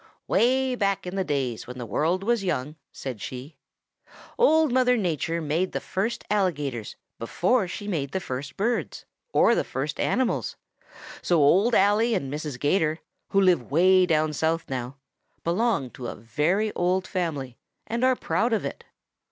"Way back in the days when the world was young," said she, "Old Mother Nature made the first Alligators before she made the first birds, or the first animals, so Old Ally and Mrs. 'Gator, who live way down south now, belong to a very old family and are proud of it.